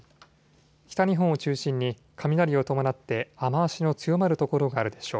北日本を中心に雷を伴って雨足の強まる所があるでしょう。